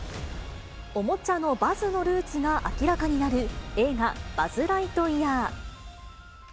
おもちゃのバズのルーツが明らかになる映画、バズ・ライトイヤー。